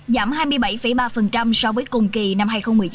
giảm hai mươi bảy ba so với cùng kỳ năm hai nghìn một mươi chín